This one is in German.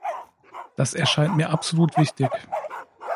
Das erscheint mir absolut wichtig.